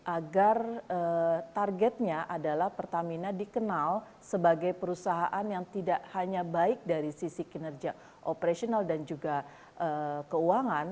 agar targetnya adalah pertamina dikenal sebagai perusahaan yang tidak hanya baik dari sisi kinerja operasional dan juga keuangan